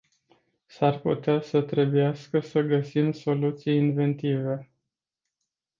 S-ar putea să trebuiască să găsim soluții inventive.